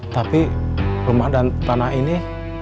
tapi rumah dan tanah ini